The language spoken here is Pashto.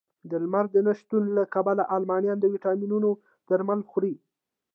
د لمر نه شتون له کبله المانیان د ویټامینونو درمل خوري